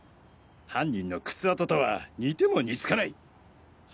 犯人の靴跡とは似ても似つかない。